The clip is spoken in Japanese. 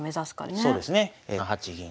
そうですね。